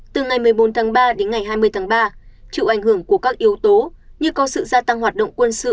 từ ngày một mươi bốn tháng ba đến ngày hai mươi tháng ba chịu ảnh hưởng của các yếu tố như có sự gia tăng hoạt động quân sự